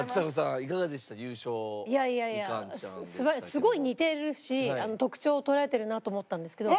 すごい似てるし特徴をとらえてるなと思ったんですけど。